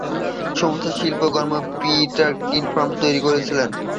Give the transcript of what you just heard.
সমস্ত শিল্পকর্ম Peter Kinmark তৈরি করেছিলেন।